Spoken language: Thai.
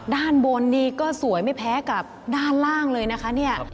ด้านบนนี่ก็สวยไม่แพ้กับด้านล่างเลยนะคะเนี่ย